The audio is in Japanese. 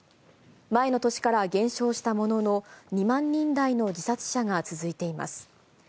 前の年から減少したものの、２万人台の自殺者が続いています。